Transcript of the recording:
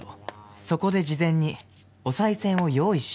そこで事前にお賽銭を用意しようとした。